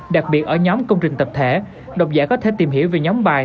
đặc biệt ở nhóm công trình tập thể đọc giải có thể tìm hiểu về nhóm bài